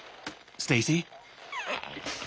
ステイシー。